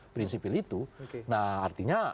prinsipil itu nah artinya